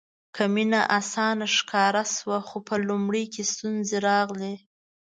که مینه اسانه ښکاره شوه خو په لومړي کې ستونزې راغلې.